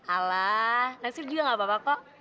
alah nasir juga gak apa apa kok